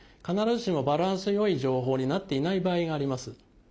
必ずしもバランス良い情報になっていない場合があります。